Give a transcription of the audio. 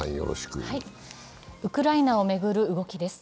ウクライナを巡る動きです。